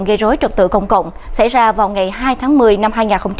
gây rối trật tự công cộng xảy ra vào ngày hai tháng một mươi năm hai nghìn hai mươi ba